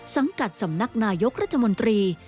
สังกัดสำนักนายกรัฐมนตรี